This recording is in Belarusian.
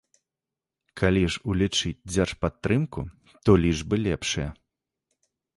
Калі ж улічыць дзяржпадтрымку, то лічбы лепшыя.